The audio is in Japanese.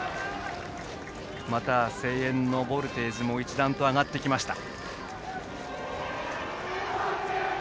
また、声援のボルテージも一段と上がってきました。